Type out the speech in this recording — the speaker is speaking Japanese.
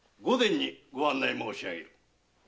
御前にご案内申し上げる。